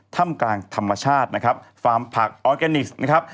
ถ้ำกลางธรรมชาตินะครับฟาร์มผักออร์แกนิคนะครับ